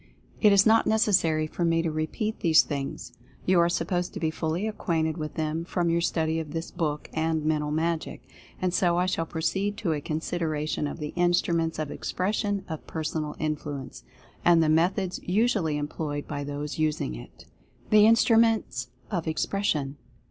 It is not necessary for me to repeat these things — you are supposed to be fully acquainted with them, from your study of this book and "Mental Magic." And so I shall proceed to a consideration of the Instruments of Expression of Personal Influence, and the methods usually employed by those using it. THE INSTRUMENTS OF EXPRESSION.